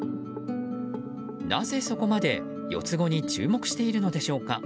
なぜそこまで四つ子に注目しているのでしょうか。